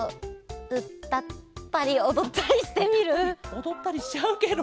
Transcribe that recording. おどったりしちゃうケロ？